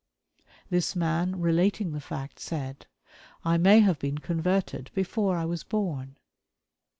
This man, relating the fact, said: "I may have been converted before I was born."